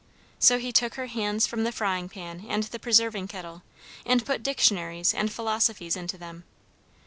So he took her hands from the frying pan and the preserving kettle, and put dictionaries and philosophies into them.